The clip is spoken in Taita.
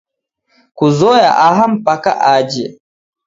Kuzoya aha mpaka aje